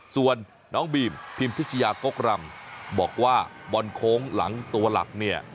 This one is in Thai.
ส่วนน้องบีมพิมพิชยากกรำบอกว่าบอลโค้งหลังตัวหลักเนี่ย